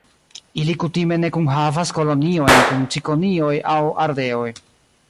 Ili kutime ne kunhavas koloniojn kun cikonioj aŭ ardeoj.